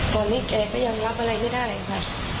ตอนนี้แกก็ยอมรับอะไรไม่ได้ค่ะ